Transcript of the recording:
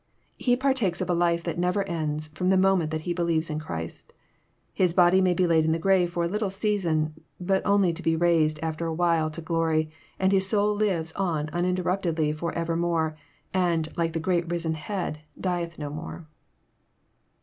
He partakes of a life that never ends, fV'om the moment that he believes in Christ. His body may be laid in the grave for a little season, but only to be raised after a while to glory; and his soul lives on uninterruptedly forever* more, and, like the great risen Head, dieth no more.